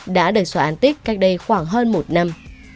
đã được xóa án tích cách đây khoảng hơn một năm